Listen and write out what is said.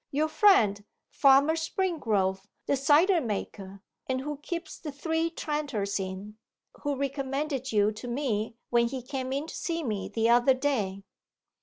Your friend, Farmer Springrove, the cider maker, and who keeps the Three Tranters Inn; who recommended you to me when he came in to see me the other day?